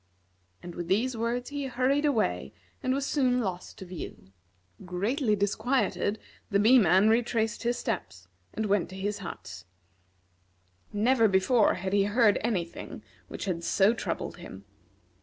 And, with these words, he hurried away, and was soon lost to view. Greatly disquieted, the Bee man retraced his steps, and went to his hut. Never before had he heard any thing which had so troubled him.